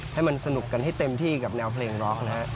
ให้มันสนุกกันให้เต็มที่กับแนวเพลงร็อกนะฮะ